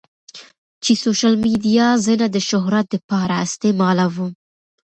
چې سوشل ميډيا زۀ نۀ د شهرت د پاره استعمالووم